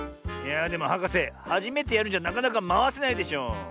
いやあでもはかせはじめてやるんじゃなかなかまわせないでしょ。